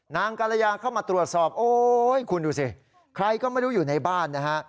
กรยาเข้ามาตรวจสอบโอ๊ยคุณดูสิใครก็ไม่รู้อยู่ในบ้านนะฮะ